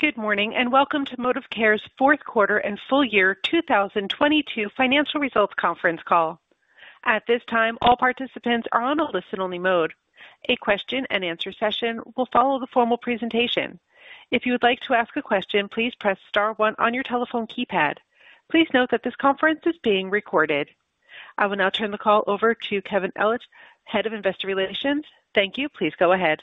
Good morning, welcome to ModivCare's Fourth Quarter and Full Year 2022 Financial Results Conference Call. At this time, all participants are on a listen-only mode. A question-and-answer session will follow the formal presentation. If you would like to ask a question, please press star one on your telephone keypad. Please note that this conference is being recorded. I will now turn the call over to Kevin Ellich, Head of Investor Relations. Thank you. Please go ahead.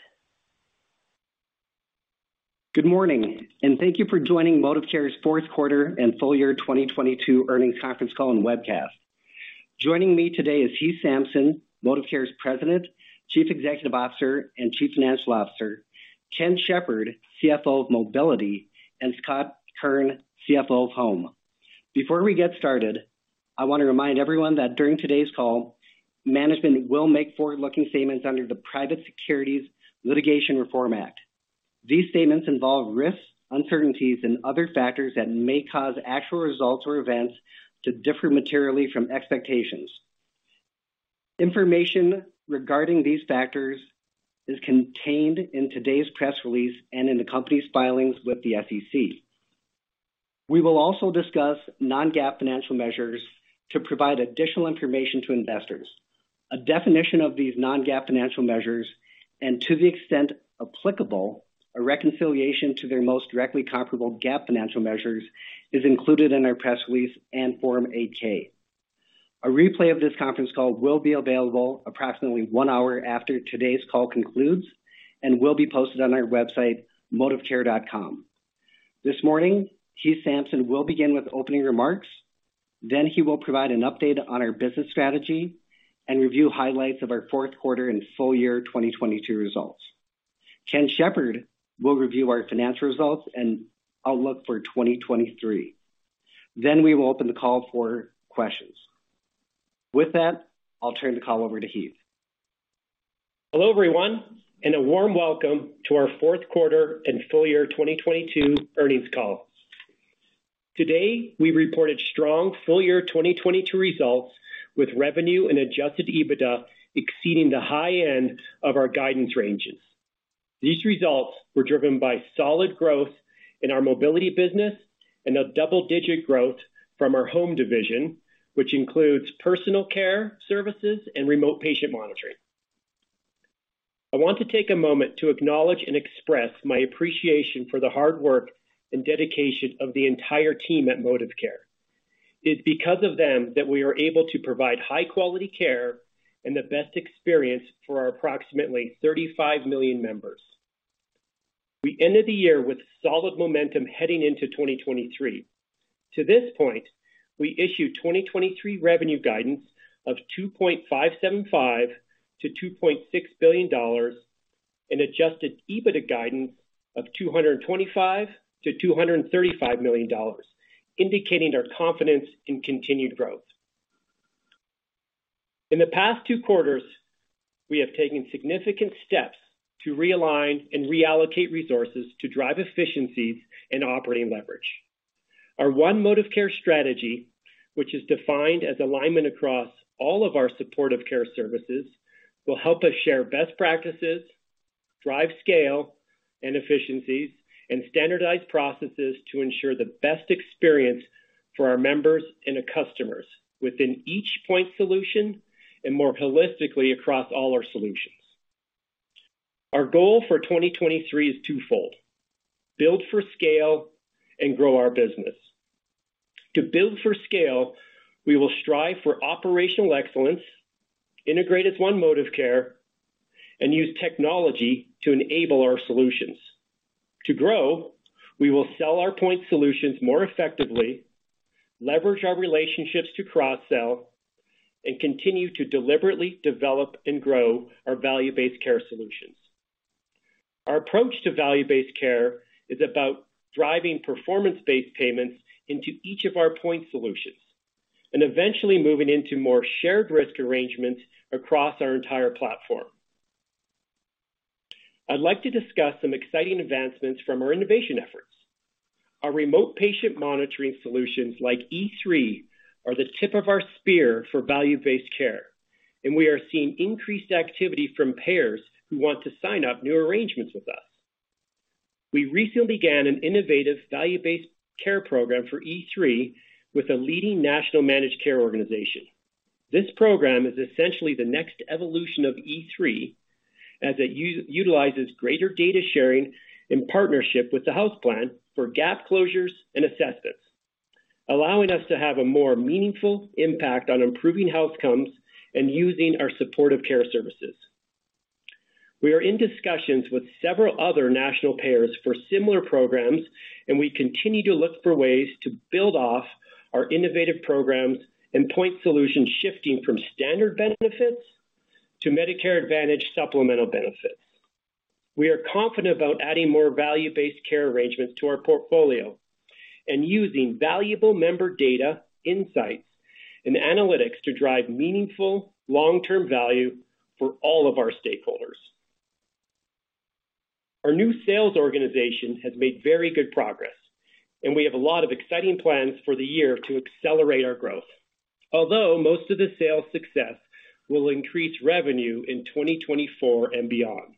Good morning. Thank you for joining ModivCare's Fourth Quarter and Full year 2022 Earnings Conference Call and Webcast. Joining me today is Heath Sampson, ModivCare's President, Chief Executive Officer, and Chief Financial Officer, Ken Shepard, CFO of Mobility, and Scott Kern, CFO of Home. Before we get started, I wanna remind everyone that during today's call, management will make forward-looking statements under the Private Securities Litigation Reform Act. These statements involve risks, uncertainties, and other factors that may cause actual results or events to differ materially from expectations. Information regarding these factors is contained in today's press release and in the company's filings with the SEC. We will also discuss non-GAAP financial measures to provide additional information to investors. A definition of these non-GAAP financial measures and, to the extent applicable, a reconciliation to their most directly comparable GAAP financial measures is included in our press release and Form 8-K. A replay of this conference call will be available approximately one hour after today's call concludes and will be posted on our website, modivcare.com. This morning, Heath Sampson will begin with opening remarks. He will provide an update on our business strategy and review highlights of our fourth quarter and full year 2022 results. Ken Shepard will review our financial results and outlook for 2023. We will open the call for questions. With that, I'll turn the call over to Heath. Hello, everyone, a warm welcome to our fourth quarter and full year 2022 earnings call. Today, we reported strong full year 2022 results with revenue and Adjusted EBITDA exceeding the high end of our guidance ranges. These results were driven by solid growth in our mobility business and a double-digit growth from our home division, which includes personal care services and remote patient monitoring. I want to take a moment to acknowledge and express my appreciation for the hard work and dedication of the entire team at ModivCare. It's because of them that we are able to provide high-quality care and the best experience for our approximately 35 million members. We ended the year with solid momentum heading into 2023. To this point, we issued 2023 revenue guidance of $2.575 billion-$2.6 billion and Adjusted EBITDA guidance of $225 million-$235 million, indicating our confidence in continued growth. In the past two quarters, we have taken significant steps to realign and reallocate resources to drive efficiencies and operating leverage. Our One Modivcare strategy, which is defined as alignment across all of our supportive care services, will help us share best practices, drive scale and efficiencies, and standardize processes to ensure the best experience for our members and our customers within each point solution and more holistically across all our solutions. Our goal for 2023 is twofold: Build for scale and grow our business. To build for scale, we will strive for operational excellence, integrate as One Modivcare, and use technology to enable our solutions. To grow, we will sell our point solutions more effectively, leverage our relationships to cross-sell, and continue to deliberately develop and grow our value-based care solutions. Our approach to value-based care is about driving performance-based payments into each of our point solutions and eventually moving into more shared risk arrangements across our entire platform. I'd like to discuss some exciting advancements from our innovation efforts. Our remote patient monitoring solutions like E3 are the tip of our spear for value-based care, and we are seeing increased activity from payers who want to sign up new arrangements with us. We recently began an innovative value-based care program for E3 with a leading national managed care organization. This program is essentially the next evolution of E3, as it utilizes greater data sharing in partnership with the health plan for gap closures and assessments, allowing us to have a more meaningful impact on improving health outcomes and using our supportive care services. We are in discussions with several other national payers for similar programs, and we continue to look for ways to build off our innovative programs and point solutions shifting from standard benefits to Medicare Advantage supplemental benefits. We are confident about adding more value-based care arrangements to our portfolio and using valuable member data, insights, and analytics to drive meaningful long-term value for all of our stakeholders. Our new sales organization has made very good progress. We have a lot of exciting plans for the year to accelerate our growth. Although most of the sales success will increase revenue in 2024 and beyond.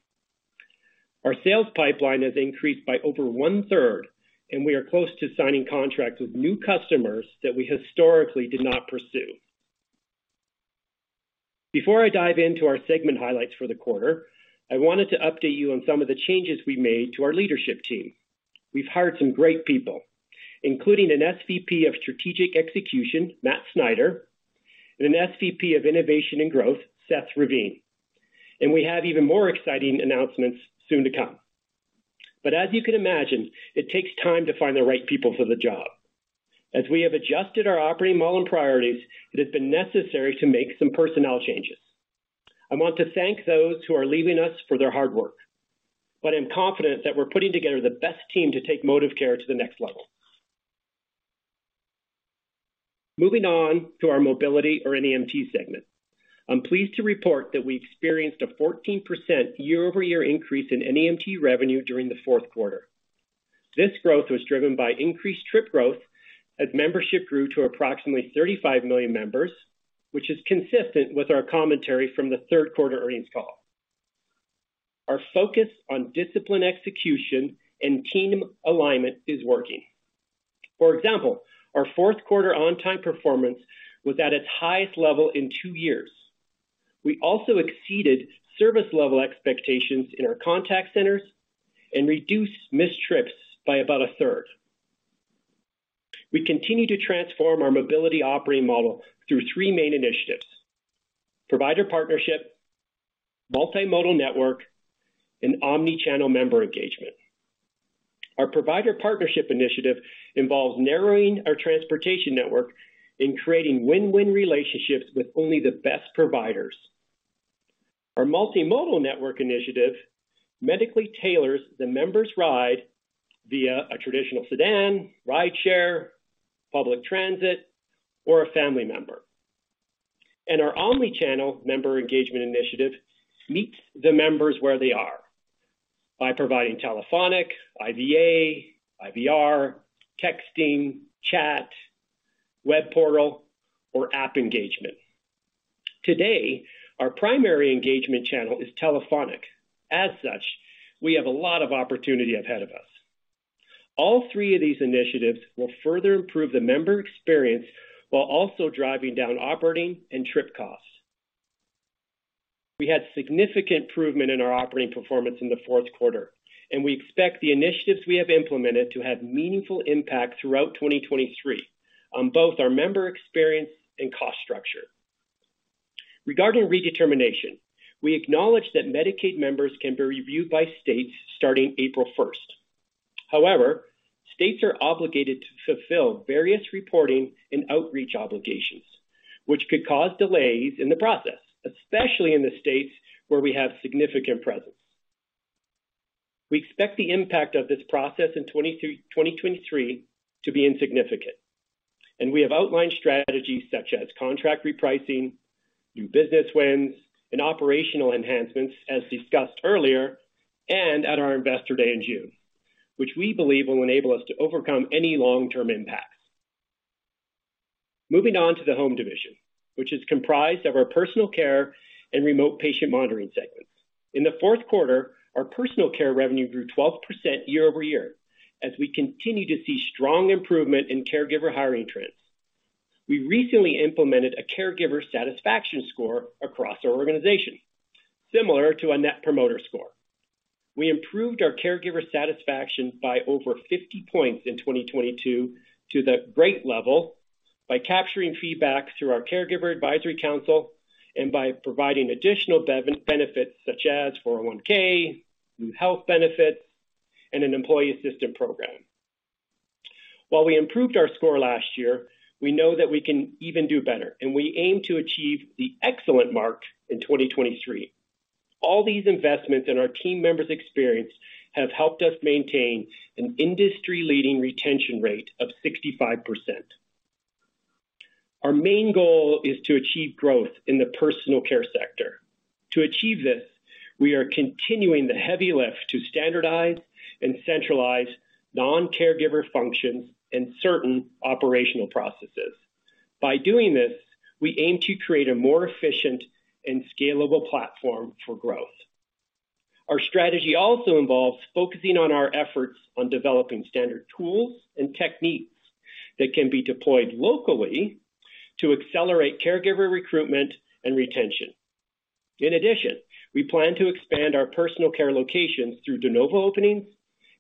Our sales pipeline has increased by over one-third, and we are close to signing contracts with new customers that we historically did not pursue. Before I dive into our segment highlights for the quarter, I wanted to update you on some of the changes we made to our leadership team. We've hired some great people, including an SVP of Strategic Execution, Matt Snyder, and an SVP of Innovation and Growth, Seth Ravine. We have even more exciting announcements soon to come. As you can imagine, it takes time to find the right people for the job. As we have adjusted our operating model and priorities, it has been necessary to make some personnel changes. I want to thank those who are leaving us for their hard work, but I'm confident that we're putting together the best team to take ModivCare to the next level. Moving on to our mobility or NEMT segment. I'm pleased to report that we experienced a 14% year-over-year increase in NEMT revenue during the fourth quarter. This growth was driven by increased trip growth as membership grew to approximately 35 million members, which is consistent with our commentary from the third quarter earnings call. Our focus on disciplined execution and team alignment is working. For example, our fourth quarter on-time performance was at its highest level in two years. We also exceeded service level expectations in our contact centers and reduced missed trips by about a third. We continue to transform our mobility operating model through three main initiatives: provider partnership, multimodal network, and omni-channel member engagement. Our provider partnership initiative involves narrowing our transportation network and creating win-win relationships with only the best providers. Our multimodal network initiative medically tailors the members' ride via a traditional sedan, rideshare, public transit, or a family member. Our omni-channel member engagement initiative meets the members where they are by providing telephonic, IVA, IVR, texting, chat, web portal, or app engagement. Today, our primary engagement channel is telephonic. As such, we have a lot of opportunity ahead of us. All three of these initiatives will further improve the member experience while also driving down operating and trip costs. We had significant improvement in our operating performance in the fourth quarter, and we expect the initiatives we have implemented to have meaningful impact throughout 2023 on both our member experience and cost structure. Regarding redetermination, we acknowledge that Medicaid members can be reviewed by states starting April 1st. However, states are obligated to fulfill various reporting and outreach obligations, which could cause delays in the process, especially in the states where we have significant presence. We expect the impact of this process in 2023 to be insignificant, and we have outlined strategies such as contract repricing, new business wins, and operational enhancements as discussed earlier and at our Investor Day in June, which we believe will enable us to overcome any long-term impact. Moving on to the home division, which is comprised of our personal care and remote patient monitoring segments. In the fourth quarter, our personal care revenue grew 12% year-over-year as we continue to see strong improvement in caregiver hiring trends. We recently implemented a caregiver satisfaction score across our organization, similar to a Net Promoter Score. We improved our caregiver satisfaction by over 50 points in 2022 to the great level by capturing feedback through our Caregiver Advisory Council and by providing additional benefits such as 401(k), new health benefits, and an employee assistance program. We improved our score last year, we know that we can even do better, and we aim to achieve the excellent mark in 2023. All these investments in our team members' experience have helped us maintain an industry-leading retention rate of 65%. Our main goal is to achieve growth in the personal care sector. To achieve this, we are continuing the heavy lift to standardize and centralize non-caregiver functions and certain operational processes. By doing this, we aim to create a more efficient and scalable platform for growth. Our strategy also involves focusing on our efforts on developing standard tools and techniques that can be deployed locally to accelerate caregiver recruitment and retention. We plan to expand our personal care locations through de novo openings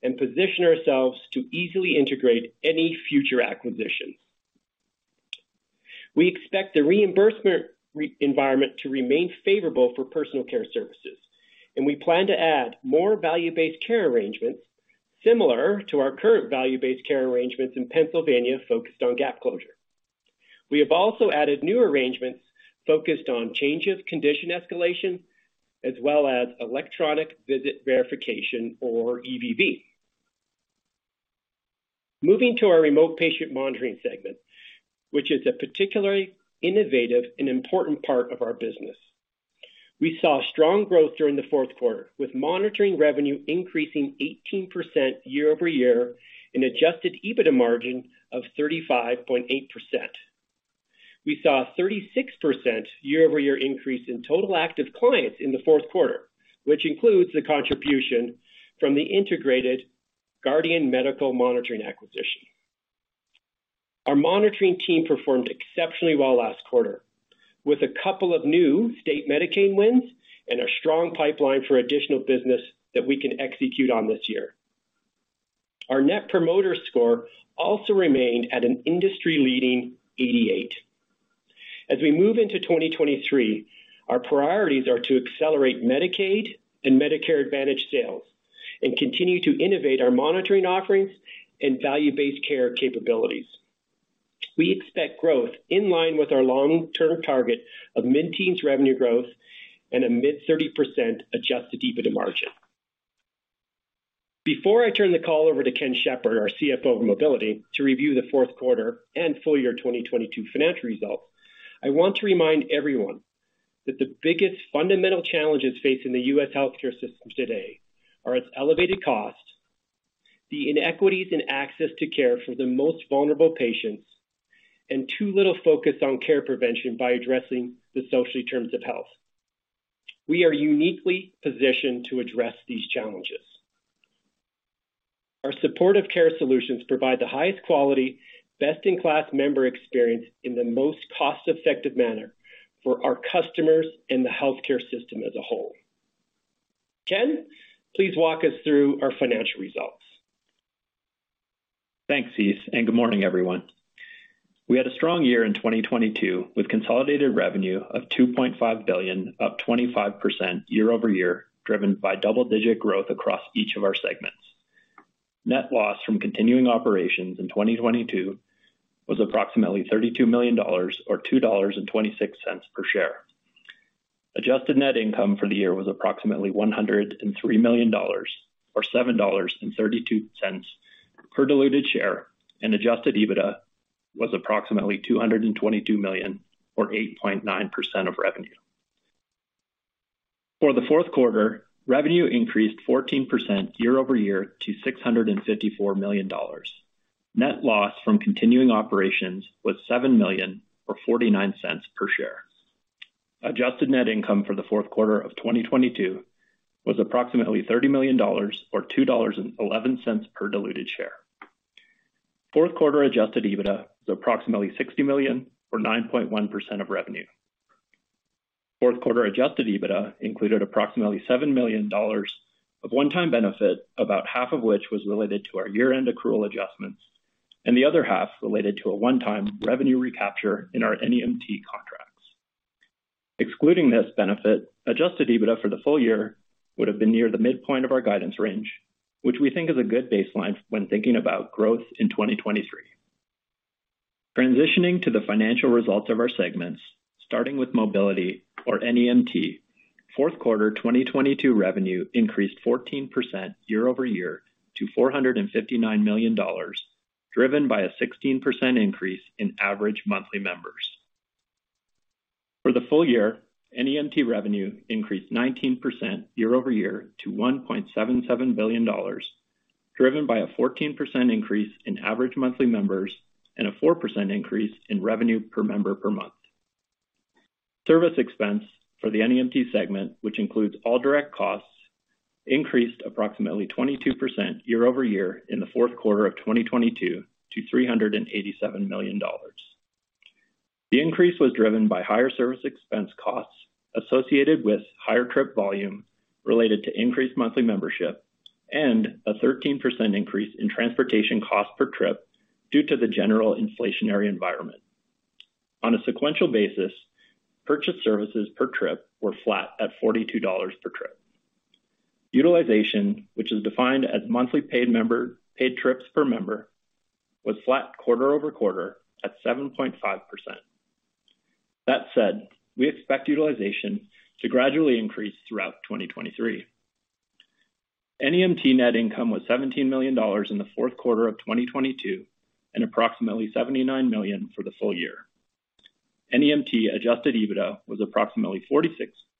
and position ourselves to easily integrate any future acquisitions. We expect the reimbursement environment to remain favorable for personal care services, and we plan to add more value-based care arrangements similar to our current value-based care arrangements in Pennsylvania focused on gap closure. We have also added new arrangements focused on changes, condition escalation, as well as Electronic Visit Verification or EVV. Moving to our remote patient monitoring segment, which is a particularly innovative and important part of our business. We saw strong growth during the fourth quarter, with monitoring revenue increasing 18% year-over-year and Adjusted EBITDA margin of 35.8%. We saw a 36% year-over-year increase in total active clients in the fourth quarter, which includes the contribution from the integrated Guardian Medical Monitoring acquisition. Our monitoring team performed exceptionally well last quarter, with a couple of new state Medicaid wins and a strong pipeline for additional business that we can execute on this year. Our Net Promoter Score also remained at an industry-leading 88. As we move into 2023, our priorities are to accelerate Medicaid and Medicare Advantage sales and continue to innovate our monitoring offerings and value-based care capabilities. We expect growth in line with our long-term target of mid-teens revenue growth and a mid-30% Adjusted EBITDA margin. Before I turn the call over to Ken Shepard, our CFO of Mobility, to review the fourth quarter and full year 2022 financial results, I want to remind everyone that the biggest fundamental challenges facing the U.S. healthcare system today are its elevated costs, the inequities in access to care for the most vulnerable patients, and too little focus on care prevention by addressing the social terms of health. We are uniquely positioned to address these challenges. Our supportive care solutions provide the highest quality, best in class member experience in the most cost effective manner for our customers and the healthcare system as a whole. Ken, please walk us through our financial results. Thanks, Heath. Good morning, everyone. We had a strong year in 2022, with consolidated revenue of $2.5 billion, up 25% year-over-year, driven by double-digit growth across each of our segments. Net loss from continuing operations in 2022 was approximately $32 million or $2.26 per share. Adjusted net income for the year was approximately $103 million, or $7.32 per diluted share, and Adjusted EBITDA was approximately $222 million or 8.9% of revenue. For the fourth quarter, revenue increased 14% year-over-year to $654 million. Net loss from continuing operations was $7 million or $0.49 per share. Adjusted net income for the fourth quarter of 2022 was approximately $30 million or $2.11 per diluted share. Fourth quarter Adjusted EBITDA was approximately $60 million or 9.1% of revenue. Fourth quarter Adjusted EBITDA included approximately $7 million of one-time benefit, about half of which was related to our year-end accrual adjustments and the other half related to a one-time revenue recapture in our NEMT contracts. Excluding this benefit, Adjusted EBITDA for the full year would have been near the midpoint of our guidance range, which we think is a good baseline when thinking about growth in 2023. Transitioning to the financial results of our segments, starting with Mobility or NEMT, fourth quarter 2022 revenue increased 14% year-over-year to $459 million, driven by a 16% increase in average monthly members. For the full year, NEMT revenue increased 19% year-over-year to $1.77 billion, driven by a 14% increase in average monthly members and a 4% increase in revenue per member per month. Service expense for the NEMT segment, which includes all direct costs, increased approximately 22% year-over-year in the fourth quarter of 2022 to $387 million. The increase was driven by higher service expense costs associated with higher trip volume related to increased monthly membership and a 13% increase in transportation cost per trip due to the general inflationary environment. On a sequential basis, purchased services per trip were flat at $42 per trip. Utilization, which is defined as monthly paid trips per member, was flat quarter-over-quarter at 7.5%. That said, we expect utilization to gradually increase throughout 2023. NEMT net income was $17 million in the fourth quarter of 2022 and approximately $79 million for the full year. NEMT Adjusted EBITDA was approximately $46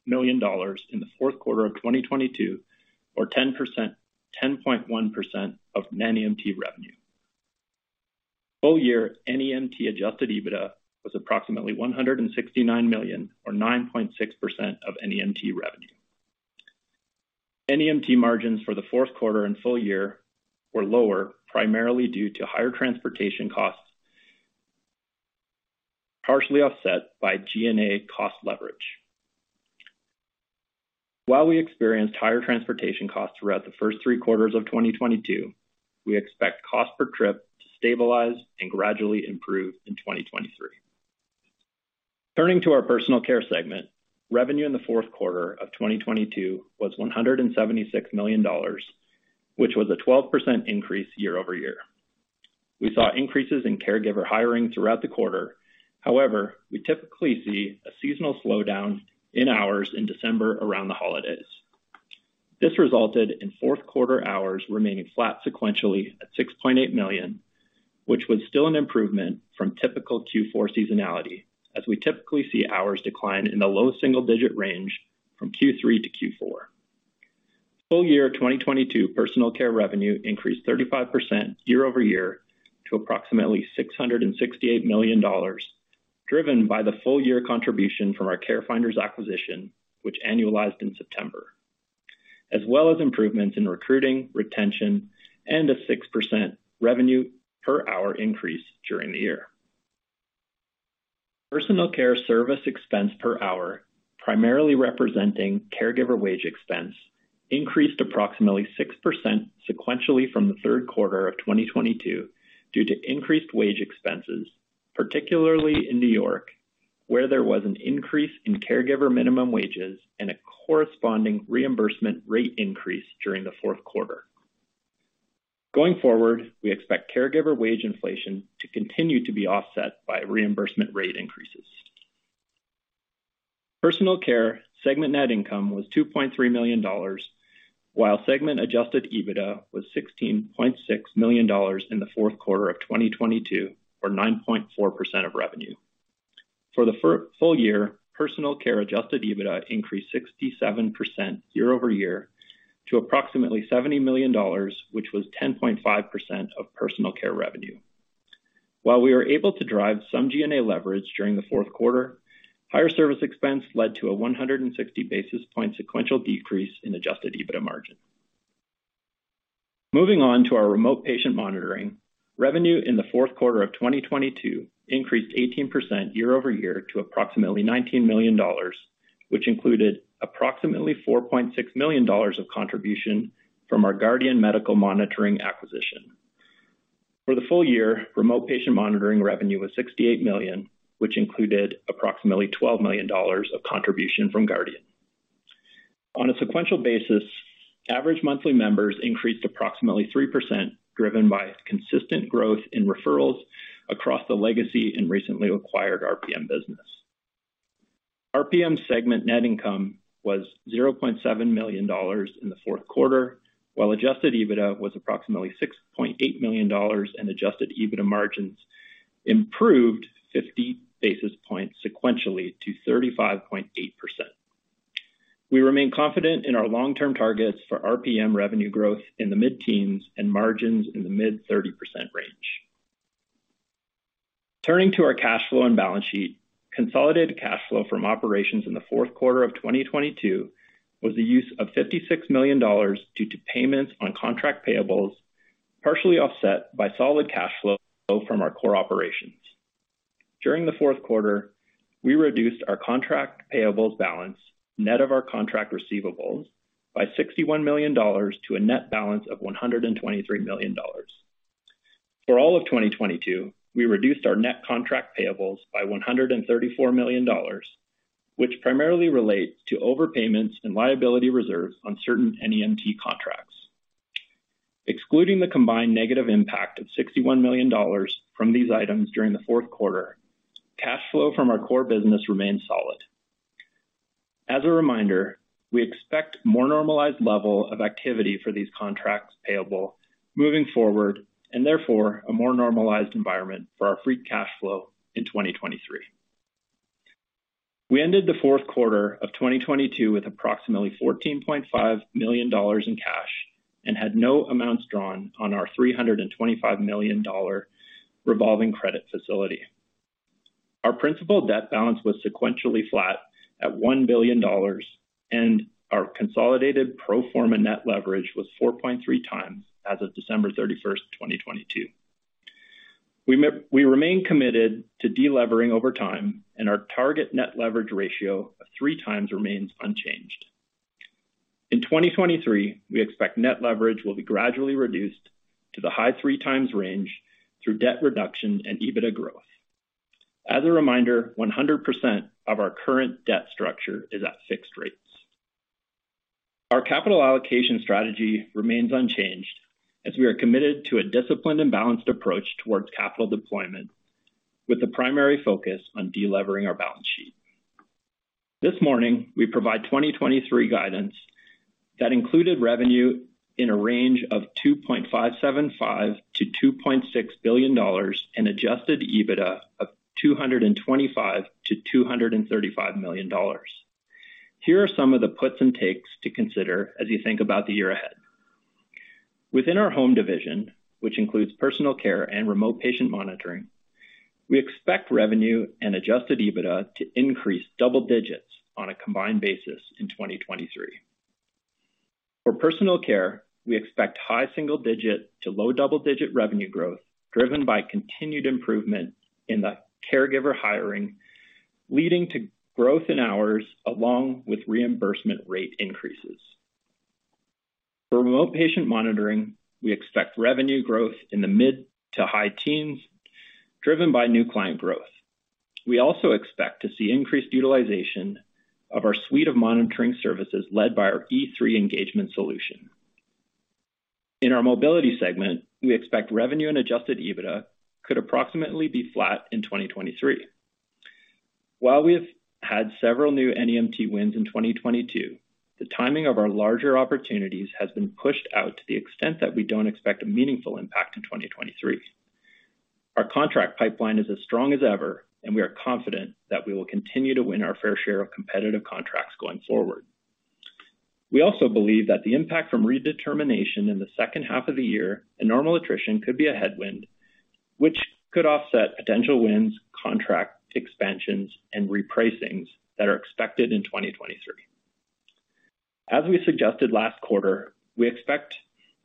million in the fourth quarter of 2022 or 10.1% of NEMT revenue. Full year NEMT Adjusted EBITDA was approximately $169 million or 9.6% of NEMT revenue. NEMT margins for the fourth quarter and full year were lower, primarily due to higher transportation costs, partially offset by G&A cost leverage. While we experienced higher transportation costs throughout the first three quarters of 2022, we expect cost per trip to stabilize and gradually improve in 2023. Turning to our personal care segment, revenue in the fourth quarter of 2022 was $176 million, which was a 12% increase year-over-year. We saw increases in caregiver hiring throughout the quarter. We typically see a seasonal slowdown in hours in December around the holidays. This resulted in fourth quarter hours remaining flat sequentially at 6.8 million, which was still an improvement from typical Q4 seasonality, as we typically see hours decline in the low single-digit range from Q3 to Q4. Full year 2022 personal care revenue increased 35% year-over-year to approximately $668 million, driven by the full year contribution from our CareFinders acquisition, which annualized in September, as well as improvements in recruiting, retention, and a 6% revenue per hour increase during the year. Personal care service expense per hour, primarily representing caregiver wage expense, increased approximately 6% sequentially from the third quarter of 2022 due to increased wage expenses, particularly in New York, where there was an increase in caregiver minimum wages and a corresponding reimbursement rate increase during the fourth quarter. Going forward, we expect caregiver wage inflation to continue to be offset by reimbursement rate increases. Personal care segment net income was $2.3 million, while segment Adjusted EBITDA was $16.6 million in the fourth quarter of 2022, or 9.4% of revenue. For the full year, personal care Adjusted EBITDA increased 67% year-over-year to approximately $70 million, which was 10.5% of personal care revenue. While we were able to drive some G&A leverage during the fourth quarter, higher service expense led to a 160 basis point sequential decrease in Adjusted EBITDA margin. Moving on to our remote patient monitoring. Revenue in the fourth quarter of 2022 increased 18% year-over-year to approximately $19 million, which included approximately $4.6 million of contribution from our Guardian Medical Monitoring acquisition. For the full year, remote patient monitoring revenue was $68 million, which included approximately $12 million of contribution from Guardian. On a sequential basis, average monthly members increased approximately 3%, driven by consistent growth in referrals across the legacy and recently acquired RPM business. RPM segment net income was $0.7 million in the fourth quarter, while Adjusted EBITDA was approximately $6.8 million, and Adjusted EBITDA margins improved 50 basis points sequentially to 35.8%. We remain confident in our long-term targets for RPM revenue growth in the mid-teens and margins in the mid 30% range. Turning to our cash flow and balance sheet, consolidated cash flow from operations in the fourth quarter of 2022 was the use of $56 million due to payments on contract payables, partially offset by solid cash flow from our core operations. During the fourth quarter, we reduced our contract payables balance net of our contract receivables by $61 million to a net balance of $123 million. For all of 2022, we reduced our net contract payables by $134 million, which primarily relates to overpayments and liability reserves on certain NEMT contracts. Excluding the combined negative impact of $61 million from these items during the fourth quarter, cash flow from our core business remained solid. As a reminder, we expect more normalized level of activity for these contracts payable moving forward, and therefore, a more normalized environment for our free cash flow in 2023. We ended the fourth quarter of 2022 with approximately $14.5 million in cash and had no amounts drawn on our $325 million revolving credit facility. Our principal debt balance was sequentially flat at $1 billion, and our consolidated pro forma net leverage was 4.3x as of December 31st, 2022. We remain committed to delevering over time. Our target net leverage ratio of 3x remains unchanged. In 2023, we expect net leverage will be gradually reduced to the high 3x range through debt reduction and EBITDA growth. As a reminder, 100% of our current debt structure is at fixed rates. Our capital allocation strategy remains unchanged as we are committed to a disciplined and balanced approach towards capital deployment, with the primary focus on delevering our balance sheet. This morning, we provide 2023 guidance that included revenue in a range of $2.575 billion-$2.6 billion and Adjusted EBITDA of $225 million-$235 million. Here are some of the puts and takes to consider as you think about the year ahead. Within our home division, which includes personal care and remote patient monitoring, we expect revenue and Adjusted EBITDA to increase double-digits on a combined basis in 2023. For personal care, we expect high single-digit to low double-digit revenue growth driven by continued improvement in the caregiver hiring, leading to growth in hours along with reimbursement rate increases. For remote patient monitoring, we expect revenue growth in the mid- to high-teens driven by new client growth. We also expect to see increased utilization of our suite of monitoring services led by our E3 engagement solution. In our mobility segment, we expect revenue and Adjusted EBITDA could approximately be flat in 2023. While we have had several new NEMT wins in 2022, the timing of our larger opportunities has been pushed out to the extent that we don't expect a meaningful impact in 2023. Our contract pipeline is as strong as ever, and we are confident that we will continue to win our fair share of competitive contracts going forward. We also believe that the impact from redetermination in the second half of the year and normal attrition could be a headwind, which could offset potential wins, contract expansions, and repricings that are expected in 2023. As we suggested last quarter, we expect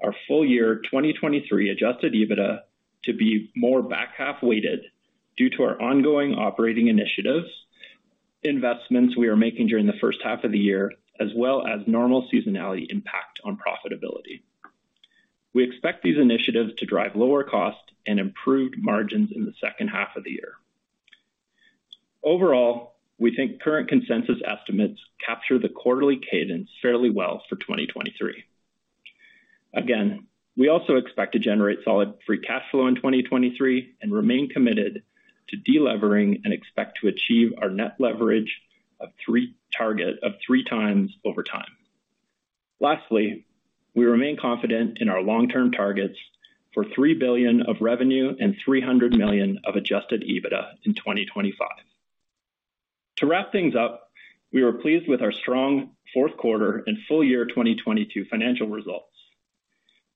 our full year 2023 Adjusted EBITDA to be more back-half weighted due to our ongoing operating initiatives, investments we are making during the first half of the year, as well as normal seasonality impact on profitability. We expect these initiatives to drive lower costs and improved margins in the second half of the year. Overall, we think current consensus estimates capture the quarterly cadence fairly well for 2023. Again, we also expect to generate solid free cash flow in 2023 and remain committed to delevering and expect to achieve our net leverage of 3x over time. Lastly, we remain confident in our long-term targets for $3 billion of revenue and $300 million of Adjusted EBITDA in 2025. To wrap things up, we were pleased with our strong fourth quarter and full year 2022 financial results.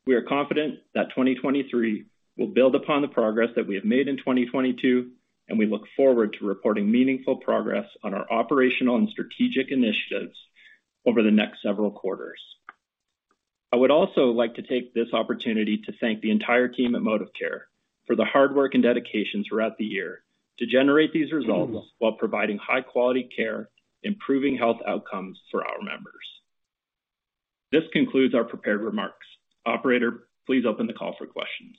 We are confident that 2023 will build upon the progress that we have made in 2022, and we look forward to reporting meaningful progress on our operational and strategic initiatives over the next several quarters. I would also like to take this opportunity to thank the entire team at ModivCare for the hard work and dedication throughout the year to generate these results while providing high-quality care, improving health outcomes for our members. This concludes our prepared remarks. Operator, please open the call for questions.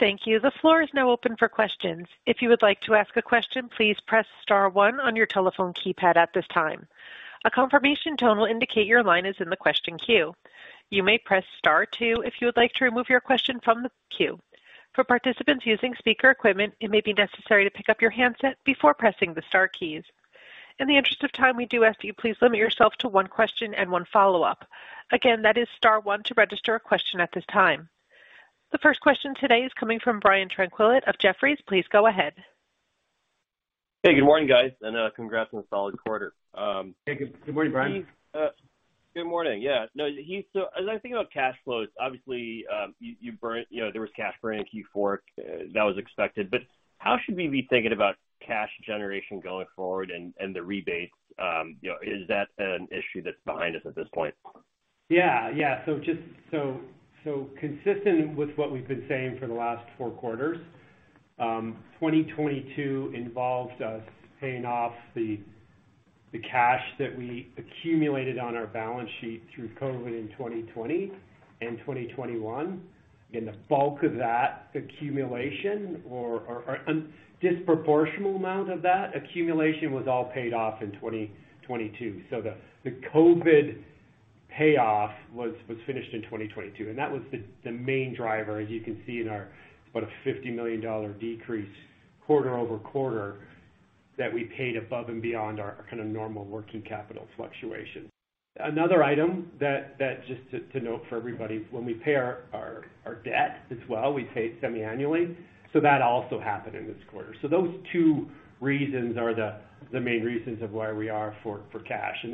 Thank you. The floor is now open for questions. If you would like to ask a question, please press star one on your telephone keypad at this time. A confirmation tone will indicate your line is in the question queue. You may press star two if you would like to remove your question from the queue. For participants using speaker equipment, it may be necessary to pick up your handset before pressing the star keys. In the interest of time, we do ask you please limit yourself to one question and one follow-up. Again, that is star one to register a question at this time. The first question today is coming from Brian Tanquilut of Jefferies. Please go ahead. Hey, good morning, guys, congrats on a solid quarter. Hey, good morning, Brian. Good morning. No, Heath, as I think about cash flows, obviously, you burnt, you know, there was cash burn in Q four. That was expected. How should we be thinking about cash generation going forward and the rebates? You know, is that an issue that's behind us at this point? Yeah. Consistent with what we've been saying for the last four quarters, 2022 involved us paying off the cash that we accumulated on our balance sheet through COVID in 2020 and 2021. The bulk of that accumulation or a disproportional amount of that accumulation was all paid off in 2022. The COVID payoff was finished in 2022, and that was the main driver, as you can see in our about a $50 million decrease quarter-over-quarter that we paid above and beyond our kinda normal working capital fluctuation. Another item that just to note for everybody, when we pay our debt as well, we pay it semi-annually, that also happened in this quarter. Those two reasons are the main reasons of why we are for cash.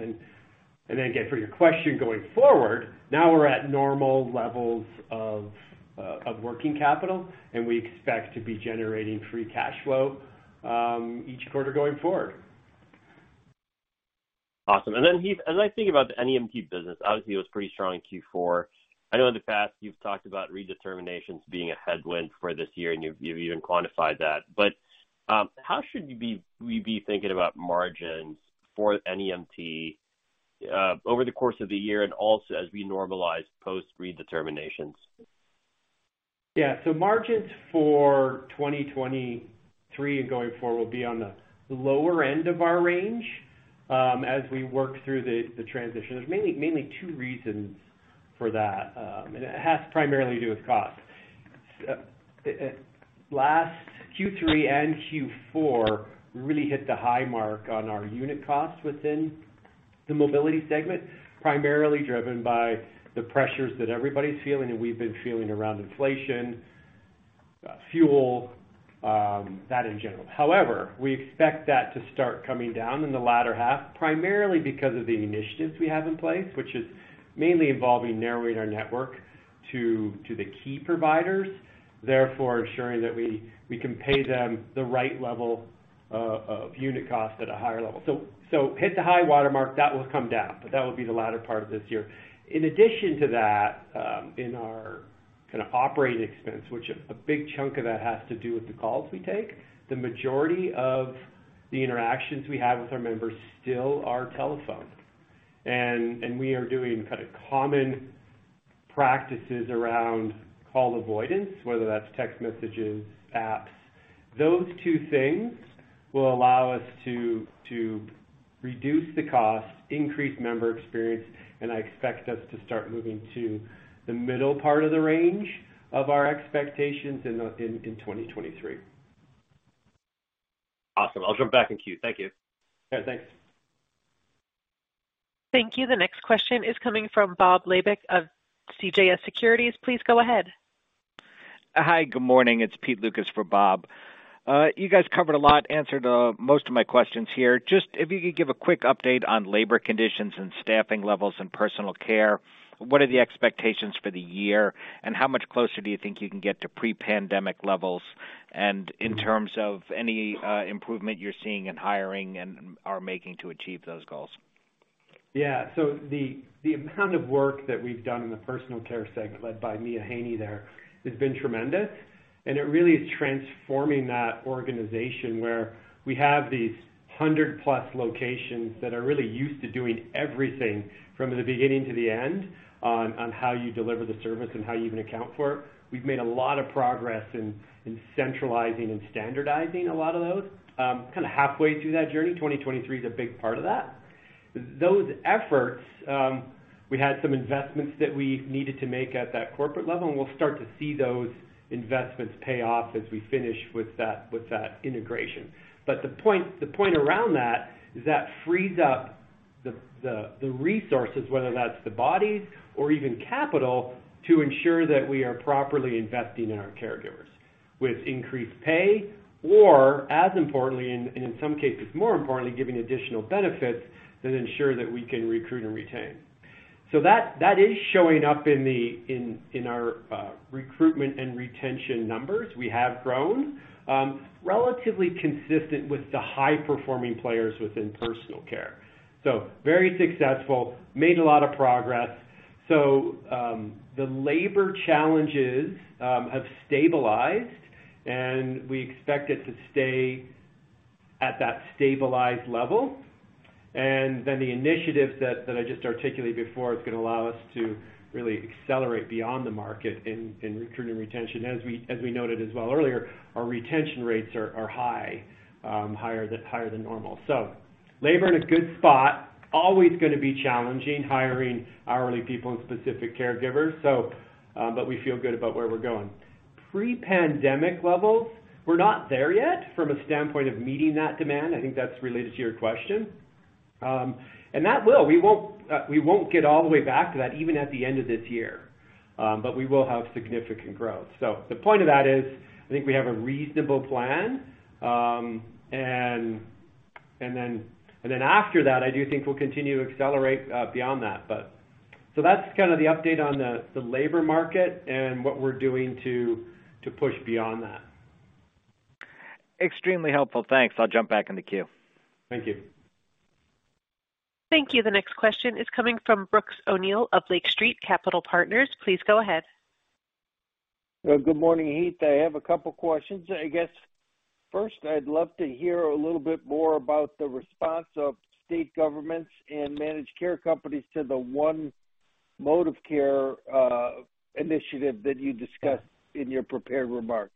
Again, for your question going forward, now we're at normal levels of working capital, and we expect to be generating free cash flow each quarter going forward. Awesome. Heath, as I think about the NEMT business, obviously it was pretty strong in Q4. I know in the past you've talked about redeterminations being a headwind for this year, and you've even quantified that. How should we be thinking about margins for NEMT over the course of the year and also as we normalize post-redeterminations? Yeah. Margins for 2023 and going forward will be on the lower end of our range, as we work through the transition. There's mainly two reasons for that, and it has primarily to do with cost. Last Q3 and Q4 really hit the high mark on our unit costs within the Mobility segment, primarily driven by the pressures that everybody's feeling and we've been feeling around inflation, fuel, that in general. However, we expect that to start coming down in the latter half, primarily because of the initiatives we have in place, which is mainly involving narrowing our network to the key providers, therefore ensuring that we can pay them the right level of unit cost at a higher level. Hit the high watermark, that will come down, but that would be the latter part of this year. In addition to that, in our kind of operating expense, which a big chunk of that has to do with the calls we take. The majority of the interactions we have with our members still are telephone. We are doing kind of common practices around call avoidance, whether that's text messages, apps Those two things will allow us to reduce the cost, increase member experience, and I expect us to start moving to the middle part of the range of our expectations in 2023. Awesome. I'll jump back in queue. Thank you. All right, thanks. Thank you. The next question is coming from Bob Labick of CJS Securities. Please go ahead. Hi, good morning. It's Pete Lukas for Bob. You guys covered a lot, answered most of my questions here. Just if you could give a quick update on labor conditions and staffing levels in personal care. What are the expectations for the year, and how much closer do you think you can get to pre-pandemic levels? In terms of any improvement you're seeing in hiring and are making to achieve those goals. The amount of work that we've done in the personal care segment, led by Janae Haynie there, has been tremendous. It really is transforming that organization where we have these 100-plus locations that are really used to doing everything from the beginning to the end on how you deliver the service and how you even account for it. We've made a lot of progress in centralizing and standardizing a lot of those. Kinda halfway through that journey. 2023 is a big part of that. Those efforts, we had some investments that we needed to make at that corporate level, and we'll start to see those investments pay off as we finish with that integration. The point around that is that frees up the resources, whether that's the bodies or even capital, to ensure that we are properly investing in our caregivers with increased pay or, as importantly, and in some cases more importantly, giving additional benefits that ensure that we can recruit and retain. That is showing up in our recruitment and retention numbers. We have grown relatively consistent with the high-performing players within personal care. Very successful, made a lot of progress. The labor challenges have stabilized, and we expect it to stay at that stabilized level. The initiatives that I just articulated before is gonna allow us to really accelerate beyond the market in recruiting and retention. As we noted as well earlier, our retention rates are high, higher than normal. Labor in a good spot, always gonna be challenging hiring hourly people and specific caregivers. We feel good about where we're going. Pre-pandemic levels, we're not there yet from a standpoint of meeting that demand. I think that's related to your question. That will. We won't get all the way back to that even at the end of this year, but we will have significant growth. The point of that is, I think we have a reasonable plan, and then after that, I do think we'll continue to accelerate beyond that. That's kind of the update on the labor market and what we're doing to push beyond that. Extremely helpful. Thanks. I'll jump back in the queue. Thank you. Thank you. The next question is coming from Brooks O'Neil of Lake Street Capital Markets. Please go ahead. Well, good morning, Heath. I have a couple questions. I guess first, I'd love to hear a little bit more about the response of state governments and managed care companies to the One ModivCare initiative that you discussed in your prepared remarks.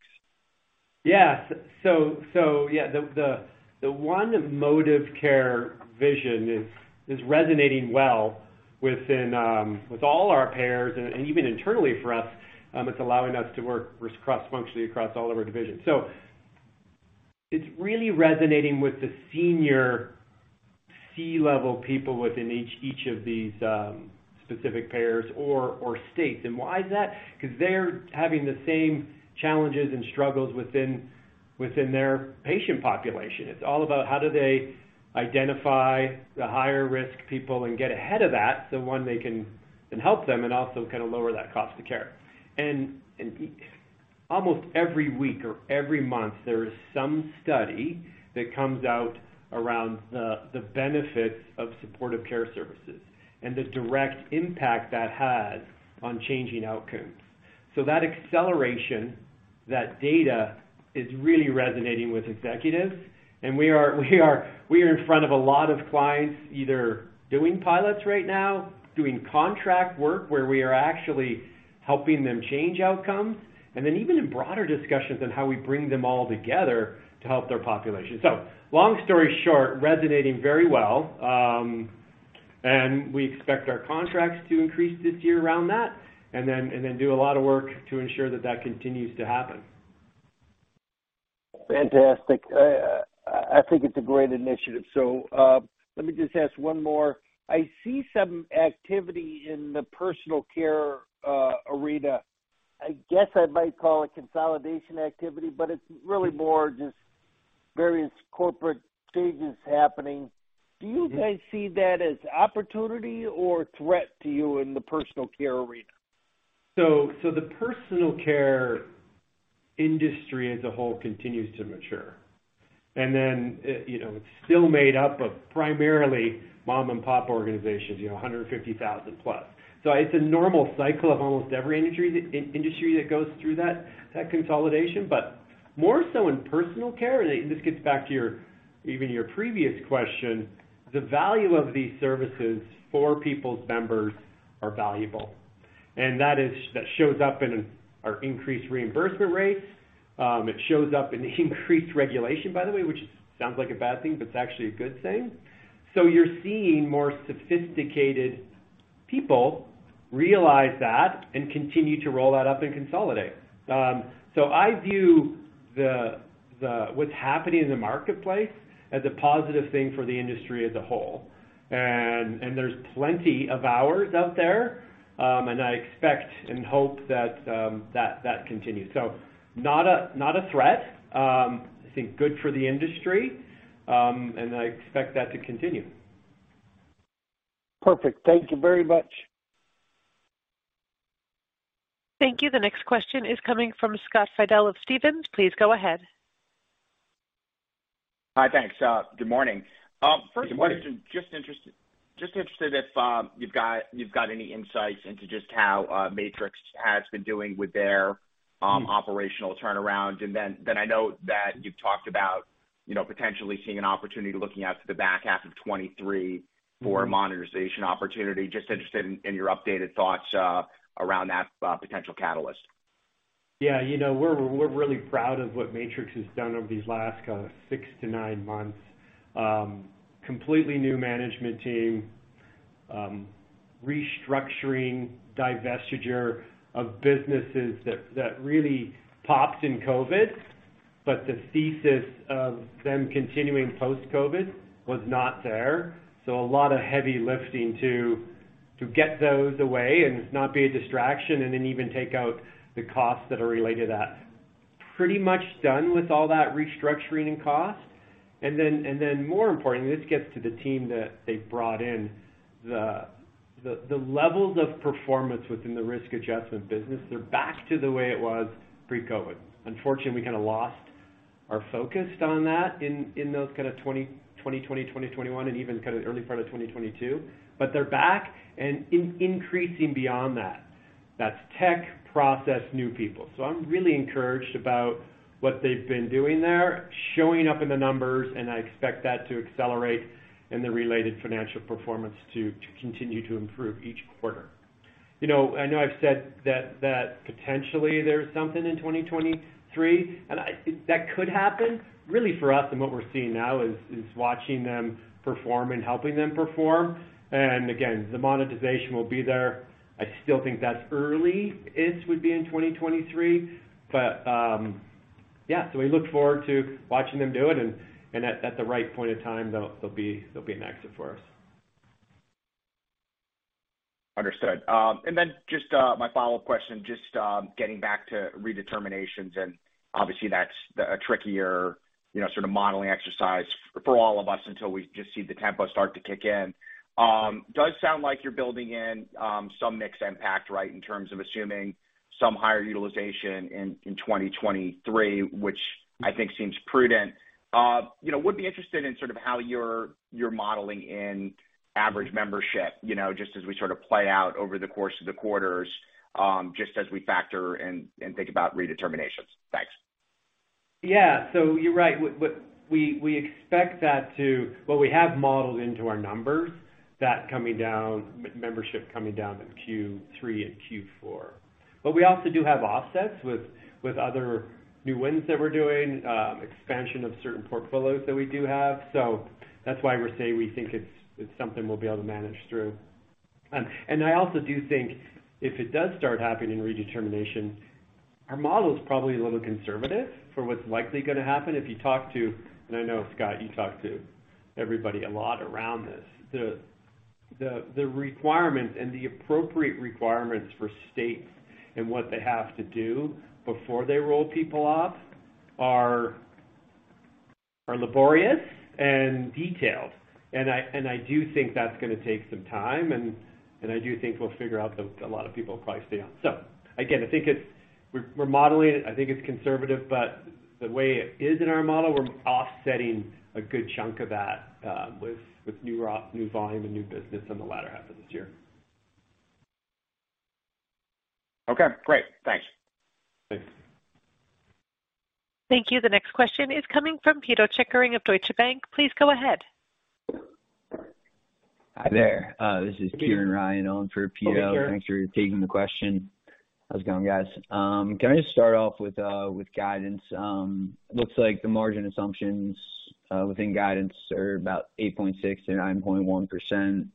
Yeah. So yeah, the One ModivCare vision is resonating well within, with all our payers and even internally for us, it's allowing us to work cross-functionally across all of our divisions. It's really resonating with the senior c-level people within each of these, specific payers or states. Why is that? 'Cause they're having the same challenges and struggles within their patient population. It's all about how do they identify the higher risk people and get ahead of that, so one they can help them and also kinda lower that cost of care. Almost every week or every month, there is some study that comes out around the benefits of supportive care services and the direct impact that has on changing outcomes. That acceleration, that data is really resonating with executives, and we are in front of a lot of clients either doing pilots right now, doing contract work where we are actually helping them change outcomes, and then even in broader discussions on how we bring them all together to help their population. Long story short, resonating very well. And we expect our contracts to increase this year around that and then do a lot of work to ensure that that continues to happen. Fantastic. I think it's a great initiative. Let me just ask one more. I see some activity in the personal care, arena. I guess I might call it consolidation activity, but it's really more just various corporate changes happening. Do you guys see that as opportunity or threat to you in the personal care arena? The personal care industry as a whole continues to mature. You know, it's still made up of primarily mom-and-pop organizations, you know, 150,000+. It's a normal cycle of almost every industry that goes through that consolidation. More so in personal care, and this gets back to your even your previous question, the value of these services for people's members are valuable. And that shows up in our increased reimbursement rates. It shows up in increased regulation, by the way, which sounds like a bad thing, but it's actually a good thing. You're seeing more sophisticated people realize that and continue to roll that up and consolidate. I view what's happening in the marketplace as a positive thing for the industry as a whole. There's plenty of hours out there, and I expect and hope that continues. Not a threat. I think good for the industry, and I expect that to continue. Perfect. Thank you very much. Thank you. The next question is coming from Scott Fidel of Stephens. Please go ahead. Hi. Thanks. Good morning. Good morning. First question, just interested if you've got any insights into just how Matrix has been doing with their operational turnaround. Then I know that you've talked about, you know, potentially seeing an opportunity to looking out to the back half of 2023 for monetization opportunity. Just interested in your updated thoughts around that potential catalyst. Yeah, you know, we're really proud of what Matrix has done over these last six-nine months. Completely new management team, restructuring, divestiture of businesses that really popped in COVID, but the thesis of them continuing post-COVID was not there. A lot of heavy lifting to get those away and not be a distraction, and then even take out the costs that are related to that. Pretty much done with all that restructuring and cost. More importantly, this gets to the team that they brought in. The levels of performance within the risk adjustment business, they're back to the way it was pre-COVID. Unfortunately, we kind of lost our focus on that in those kind of 20, 2020, 2021, and even kind of early part of 2022. They're back and increasing beyond that. That's tech, process, new people. I'm really encouraged about what they've been doing there, showing up in the numbers, and I expect that to accelerate and the related financial performance to continue to improve each quarter. You know, I know I've said that potentially there's something in 2023, that could happen. Really for us and what we're seeing now is watching them perform and helping them perform. Again, the monetization will be there. I still think that's early. It would be in 2023. Yeah. We look forward to watching them do it, and at the right point in time, they'll be an exit for us. Understood. Then just my follow-up question, just getting back to redeterminations, and obviously that's a trickier, you know, sort of modeling exercise for all of us until we just see the tempo start to kick in. Does sound like you're building in some mixed impact, right, in terms of assuming some higher utilization in 2023, which I think seems prudent. You know, would be interested in sort of how you're modeling in average membership, you know, just as we sort of play out over the course of the quarters, just as we factor and think about redeterminations. Thanks. Yeah. You're right. We expect that what we have modeled into our numbers, that coming down, membership coming down in Q3 and Q4. We also do have offsets with other new wins that we're doing, expansion of certain portfolios that we do have. That's why we're saying we think it's something we'll be able to manage through. I also do think if it does start happening in redetermination, our model is probably a little conservative for what's likely going to happen. If you talk to, and I know, Scott, you talk to everybody a lot around this. The requirements and the appropriate requirements for states and what they have to do before they roll people off are laborious and detailed. I, and I do think that's going to take some time, and I do think we'll figure out that a lot of people will probably stay on. Again, I think it's we're modeling it. I think it's conservative, but the way it is in our model, we're offsetting a good chunk of that, with new volume and new business on the latter half of this year. Okay, great. Thanks. Thanks. Thank you. The next question is coming from Pito Chickering of Deutsche Bank. Please go ahead. Hi there. This is Kieran Ryan on for Pito. Hey, Kieran. Thanks for taking the question. How's it going, guys? Can I just start off with guidance? Looks like the margin assumptions within guidance are about 8.6%-9.1%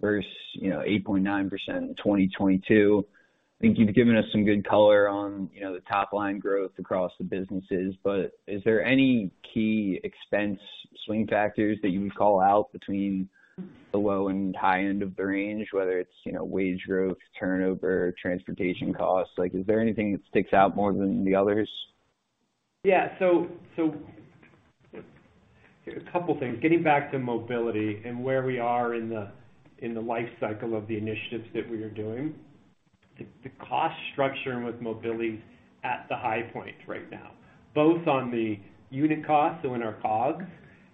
versus, you know, 8.9% in 2022. I think you've given us some good color on, you know, the top line growth across the businesses, but is there any key expense swing factors that you would call out between the low and high end of the range, whether it's, you know, wage growth, turnover, transportation costs? Like, is there anything that sticks out more than the others? Yeah. A couple of things. Getting back to mobility and where we are in the life cycle of the initiatives that we are doing. The cost structuring with mobility at the high point right now, both on the unit cost, so in our COGS,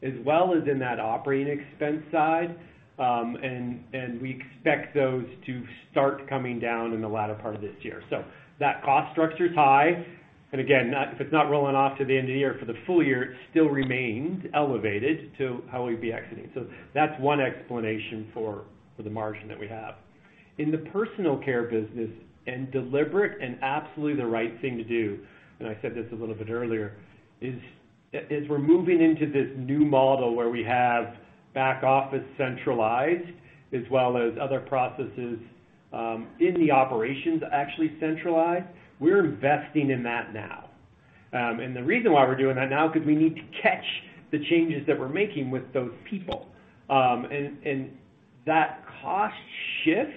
as well as in that operating expense side. We expect those to start coming down in the latter part of this year. That cost structure is high. Again, if it's not rolling off to the end of the year for the full year, it still remains elevated to how we'd be exiting. That's one explanation for the margin that we have. In the personal care business and deliberate and absolutely the right thing to do, and I said this a little bit earlier, is we're moving into this new model where we have back-office centralized as well as other processes in the operations actually centralized. We're investing in that now. The reason why we're doing that now, 'cause we need to catch the changes that we're making with those people. That cost shift,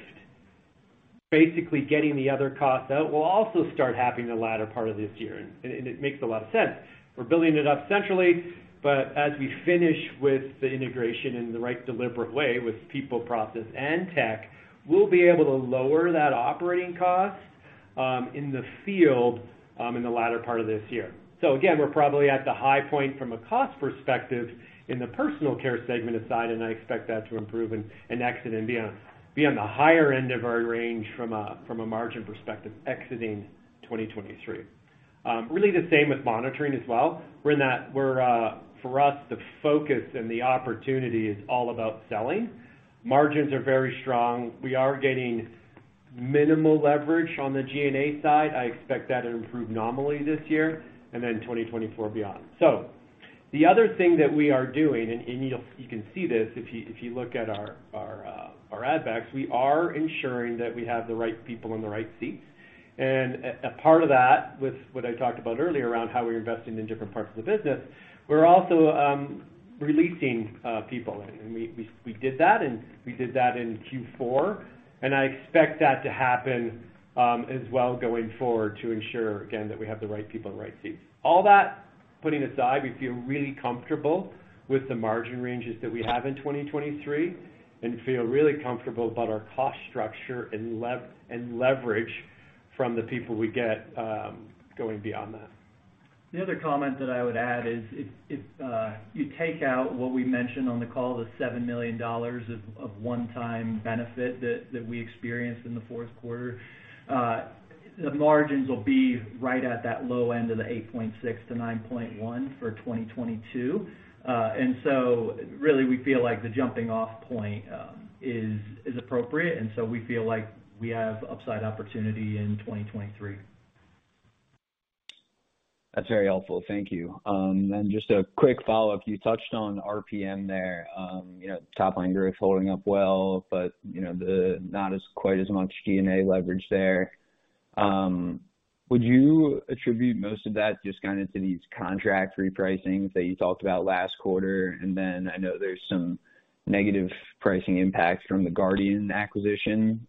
basically getting the other costs out, will also start happening the latter part of this year, and it makes a lot of sense. We're building it up centrally, but as we finish with the integration in the right deliberate way with people, process, and tech, we'll be able to lower that operating cost in the field in the latter part of this year. Again, we're probably at the high point from a cost perspective in the personal care segment aside, and I expect that to improve and exit and be on the higher end of our range from a margin perspective exiting 2023. Really the same with monitoring as well. We're, for us, the focus and the opportunity is all about selling. Margins are very strong. We are getting minimal leverage on the G&A side. I expect that to improve nominally this year and then 2024 beyond. The other thing that we are doing, and you'll you can see this if you look at our ad backs, we are ensuring that we have the right people in the right seats. A part of that with what I talked about earlier around how we're investing in different parts of the business, we're also releasing people. We did that, and we did that in Q4. I expect that to happen as well going forward to ensure, again, that we have the right people in the right seats. All that putting aside, we feel really comfortable with the margin ranges that we have in 2023 and feel really comfortable about our cost structure and leverage from the people we get going beyond that. The other comment that I would add is if you take out what we mentioned on the call, the $7 million of one-time benefit that we experienced in the fourth quarter, the margins will be right at that low end of the 8.6%-9.1% for 2022. Really we feel like the jumping off point is appropriate, and so we feel like we have upside opportunity in 2023. That's very helpful. Thank you. Just a quick follow-up. You touched on RPM there. Top line growth holding up well, but, not as quite as much G&A leverage there. Would you attribute most of that just kind of to these contract repricings that you talked about last quarter? I know there's some negative pricing impacts from the Guardian acquisition.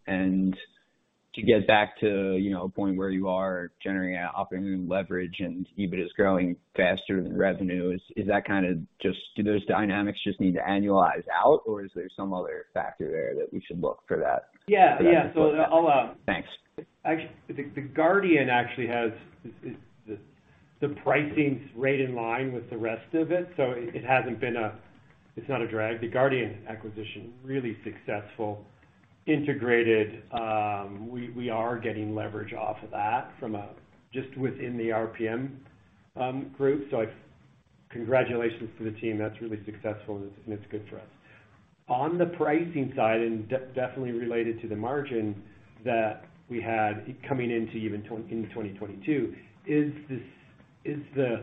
To get back to a point where you are generating operating leverage and EBITDA is growing faster than revenue, do those dynamics just need to annualize out, or is there some other factor there that we should look for that? Yeah. Yeah. Thanks. The Guardian actually has the pricing's right in line with the rest of it, so it's not a drag. The Guardian acquisition, really successful, integrated. We are getting leverage off of that from just within the RPM group. Congratulations to the team. That's really successful, and it's good for us. On the pricing side, definitely related to the margin that we had coming into 2022 is the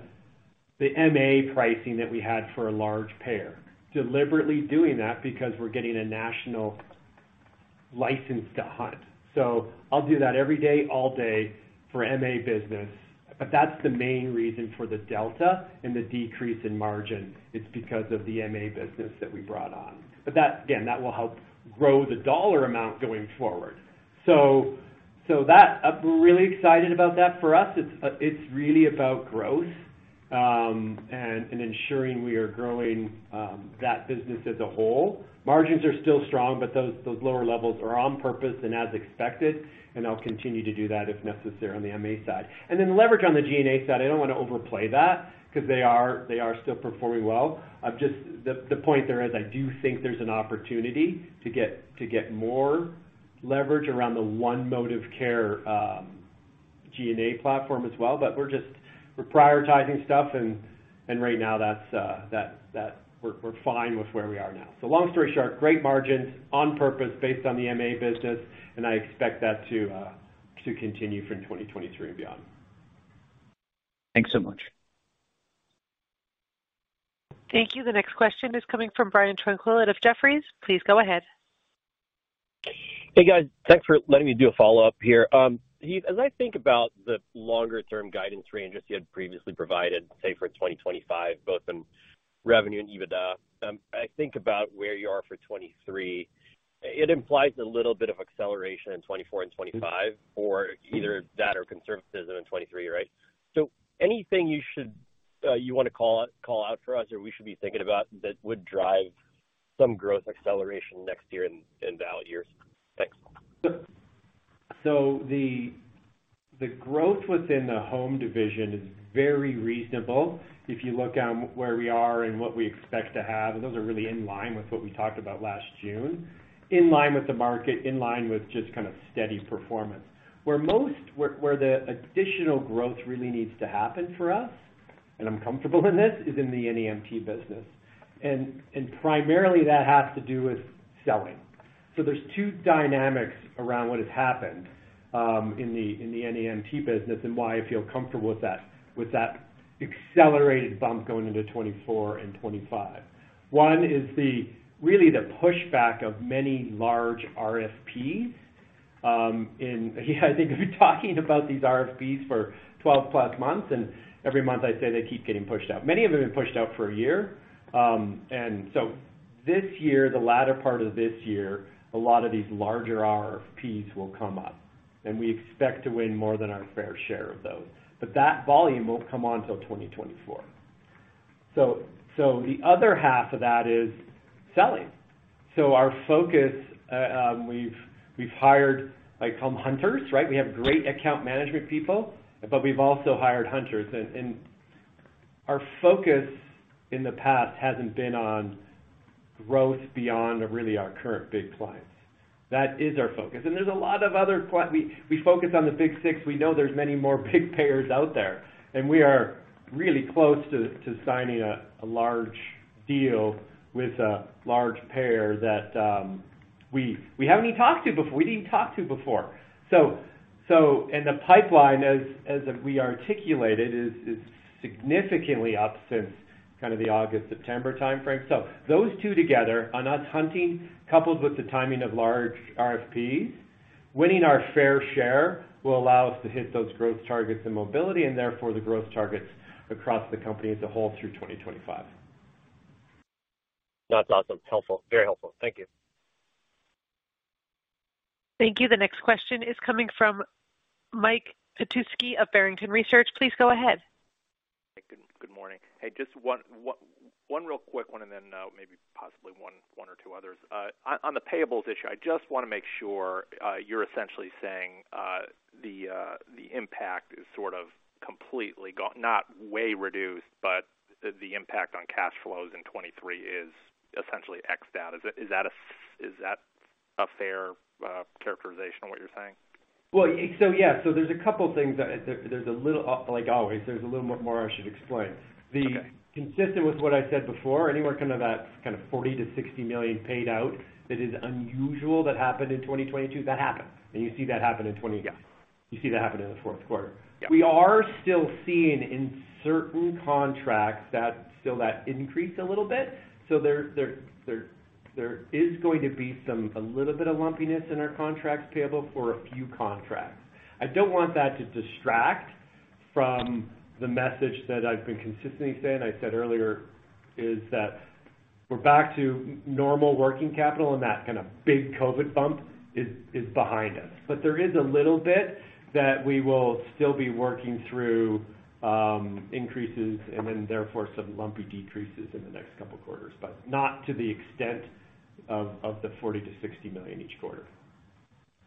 MA pricing that we had for a large payer. Deliberately doing that because we're getting a national license to hunt. I'll do that every day, all day for MA business. That's the main reason for the delta and the decrease in margin. It's because of the MA business that we brought on. That, again, that will help grow the dollar amount going forward. We're really excited about that. For us, it's really about growth, and ensuring we are growing, that business as a whole. Margins are still strong, but those lower levels are on purpose and as expected, and I'll continue to do that if necessary on the MA side. Then the leverage on the G&A side, I don't wanna overplay that 'cause they are still performing well. The point there is I do think there's an opportunity to get more leverage around the One ModivCare, G&A platform as well. We're just. We're prioritizing stuff and right now that's. We're fine with where we are now. Long story short, great margins on purpose based on the MA business, and I expect that to continue from 2023 and beyond. Thanks so much. Thank you. The next question is coming from Brian Tanquilut of Jefferies. Please go ahead. Hey, guys. Thanks for letting me do a follow-up here. Heath, as I think about the longer term guidance ranges you had previously provided, say for 2025, both in revenue and EBITDA, I think about where you are for 2023, it implies a little bit of acceleration in 2024 and 2025 for either that or conservatism in 2023, right? Anything you should, you wanna call out for us or we should be thinking about that would drive some growth acceleration next year and out years? Thanks. The growth within the home division is very reasonable. If you look at where we are and what we expect to have, those are really in line with what we talked about last June, in line with the market, in line with just kind of steady performance. Where the additional growth really needs to happen for us. And I'm comfortable in this is in the NEMT business. Primarily that has to do with selling. There's two dynamics around what has happened in the NEMT business and why I feel comfortable with that, with that accelerated bump going into 2024 and 2025. One is the really the pushback of many large RFPs. And yeah, I think we've been talking about these RFPs for 12+ months, and every month I say they keep getting pushed out. Many of them have been pushed out for a year. This year, the latter part of this year, a lot of these larger RFPs will come up, and we expect to win more than our fair share of those. That volume won't come on till 2024. The other half of that is selling. Our focus, we've hired, I call them hunters, right? We have great account management people, but we've also hired hunters. Our focus in the past hasn't been on growth beyond really our current Big clients. That is our focus. There's a lot of other clients. We focus on the Big Six. We know there's many more big payers out there, we are really close to signing a large deal with a large payer that we haven't even talked to before. We didn't even talk to before. The pipeline as we articulated, is significantly up since kind of the August, September time frame. Those two together on us hunting, coupled with the timing of large RFPs, winning our fair share will allow us to hit those growth targets in mobility and therefore the growth targets across the company as a whole through 2025. That's awesome. Helpful. Very helpful. Thank you. Thank you. The next question is coming from Mike Petusky of Barrington Research. Please go ahead. Good morning. Hey, just one real quick one and then, maybe possibly one or two others. On the payables issue, I just wanna make sure, you're essentially saying, the impact is sort of completely gone, not way reduced, but the impact on cash flows in 23 is essentially X'd out. Is that a fair characterization of what you're saying? Yeah. There's a couple things that there's a little, like always, there's a little bit more I should explain. Okay. Consistent with what I said before, anywhere kind of that kind of $40 million-$60 million paid out that is unusual that happened in 2022, that happens. You see that happen. Yeah. You see that happen in the fourth quarter. Yeah. We are still seeing in certain contracts that still increase a little bit. There is going to be some, a little bit of lumpiness in our contracts payable for a few contracts. I don't want that to distract from the message that I've been consistently saying, I said earlier, is that we're back to normal working capital and that kind of big COVID bump is behind us. There is a little bit that we will still be working through increases and then therefore some lumpy decreases in the next couple quarters, but not to the extent of the $40 million-$60 million each quarter.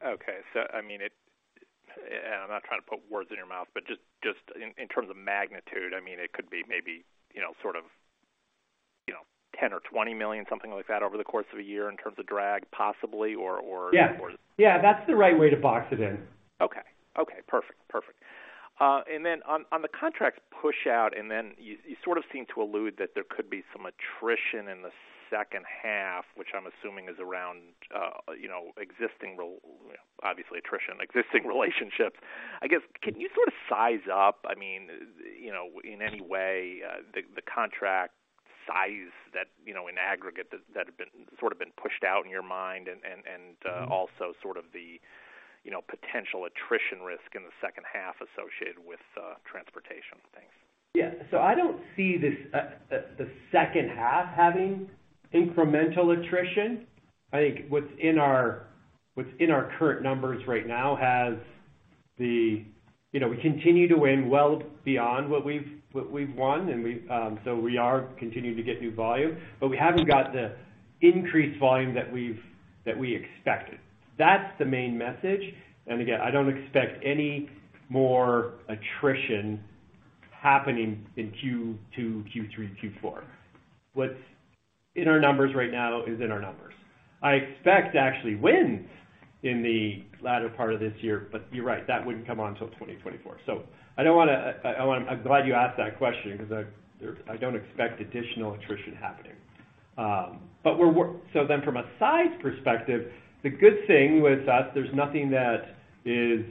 Okay. I mean and I'm not trying to put words in your mouth, just in terms of magnitude, I mean, it could be maybe, you know, sort of, you know, $10 million or $20 million, something like that over the course of a year in terms of drag, possibly, or. Yeah. Or... Yeah, that's the right way to box it in. Okay. Okay, perfect. Perfect. Then on the contracts pushout, then you sort of seem to allude that there could be some attrition in the second half, which I'm assuming is around, you know, existing obviously attrition, existing relationships. I guess, can you sort of size up, I mean, you know, in any way, the contract size that, you know, in aggregate that had been, sort of been pushed out in your mind and also sort of the, you know, potential attrition risk in the second half associated with transportation. Thanks. I don't see this, the second half having incremental attrition. I think what's in our current numbers right now has. You know, we continue to win well beyond what we've won, and we are continuing to get new volume. We haven't got the increased volume that we expected. That's the main message. Again, I don't expect any more attrition happening in Q2, Q3, Q4. What's in our numbers right now is in our numbers. I expect actually wins in the latter part of this year, you're right, that wouldn't come on till 2024. I don't wanna, I'm glad you asked that question 'cause I don't expect additional attrition happening. From a size perspective, the good thing with us, there's nothing that is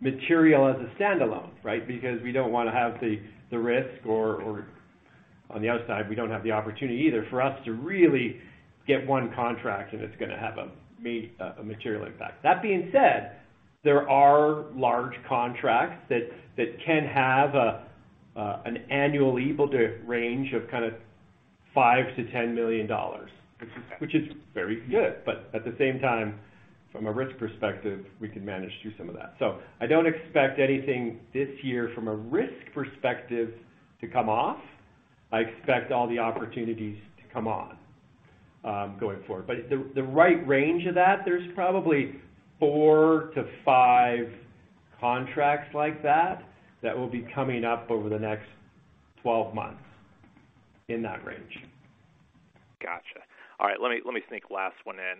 material as a standalone, right? Because we don't wanna have the risk or on the other side, we don't have the opportunity either for us to really get one contract and it's gonna have a material impact. That being said, there are large contracts that can have an annual equal to range of kinda $5 million-$10 million. Okay. Which is very good. At the same time, from a risk perspective, we can manage through some of that. I don't expect anything this year from a risk perspective to come off. I expect all the opportunities to come on, going forward. The right range of that, there's probably four to five contracts like that will be coming up over the next 12 months in that range. Gotcha. All right. Let me, let me sneak last one in.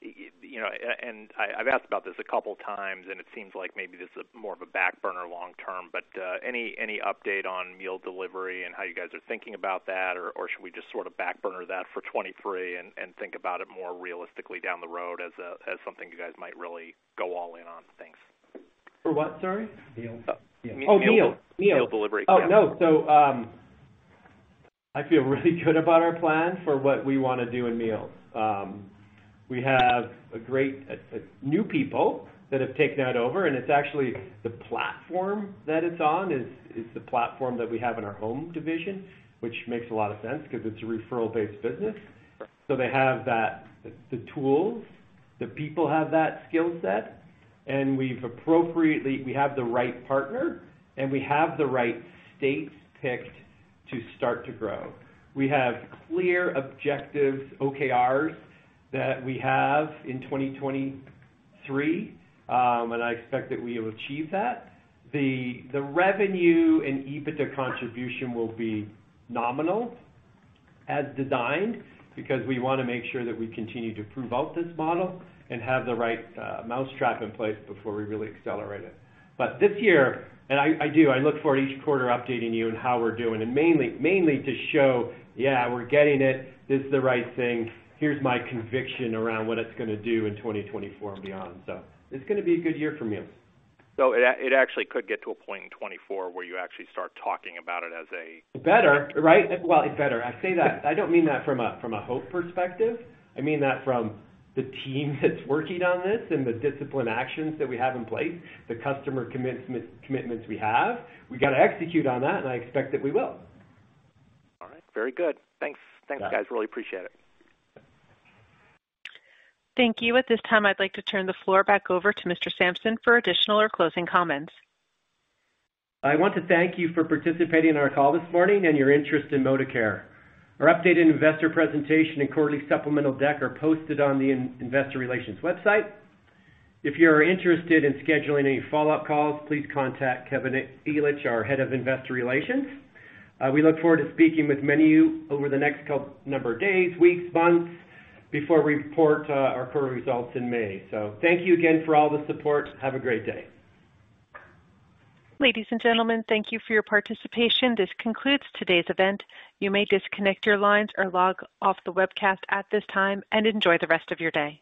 you know, and I've asked about this a couple times, and it seems like maybe this is more of a back burner long term, but any update on meal delivery and how you guys are thinking about that? Or should we just sort of back burner that for 2023 and think about it more realistically down the road as something you guys might really go all in on? Thanks. For what? Sorry. Meals. Oh, meals. Meals. Meal delivery. Yeah. I feel really good about our plan for what we wanna do in meals. We have new people that have taken that over, and it's actually the platform that it's on is the platform that we have in our home division, which makes a lot of sense 'cause it's a referral-based business. They have that, the tools, the people have that skill set, and we have the right partner, and we have the right states picked to start to grow. We have clear objectives, OKRs, that we have in 2023, and I expect that we will achieve that. The revenue and EBITDA contribution will be nominal as designed because we wanna make sure that we continue to prove out this model and have the right mousetrap in place before we really accelerate it. This year, and I do, I look forward to each quarter updating you on how we're doing, and mainly to show, yeah, we're getting it. This is the right thing. Here's my conviction around what it's gonna do in 2024 and beyond. It's gonna be a good year for meals. It actually could get to a point in 2024 where you actually start talking about it as. Better, right? Well, better. I say that. I don't mean that from a hope perspective. I mean that from the team that's working on this and the disciplined actions that we have in place, the customer commitments we have. We gotta execute on that. I expect that we will. All right. Very good. Thanks. Thanks, guys. Really appreciate it. Thank you. At this time, I'd like to turn the floor back over to Mr. Sampson for additional or closing comments. I want to thank you for participating in our call this morning and your interest in ModivCare. Our updated investor presentation and quarterly supplemental deck are posted on the Investor Relations website. If you're interested in scheduling any follow-up calls, please contact Kevin Ellich, our Head of Investor Relations. We look forward to speaking with many of you over the next couple number of days, weeks, months before we report our quarter results in May. Thank you again for all the support. Have a great day. Ladies and gentlemen, thank you for your participation. This concludes today's event. You may disconnect your lines or log off the webcast at this time, and enjoy the rest of your day.